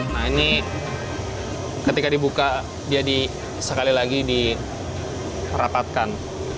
nah ini ketika dibuka dia sekali lagi dirapatkan